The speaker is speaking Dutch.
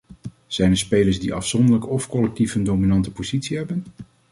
Zijn er spelers die afzonderlijk of collectief een dominante positie hebben?